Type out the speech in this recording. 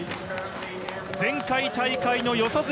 前回大会の四十住